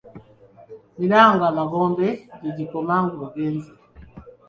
Miranga magombe gye gikoma ng’ogenze.